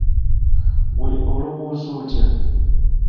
Ggwe olowooza otya?